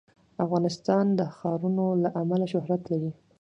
افغانستان د ښارونه له امله شهرت لري.